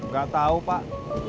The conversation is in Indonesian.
gak tau pak